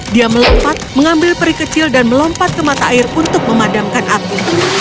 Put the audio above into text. dia melompat mengambil peri kecil dan melompat ke mata air untuk memadamkan api